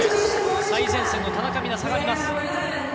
最前線の田中美南下がります。